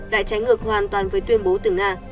đã trái ngược hoàn toàn với tuyên bố từ nga